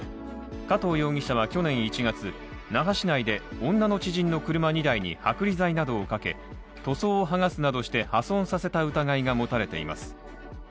加藤容疑者は去年１月、那覇市内で、女の知人の車２台に剥離剤などをかけ塗装を剥がすなどして破損させた疑いが持たれています。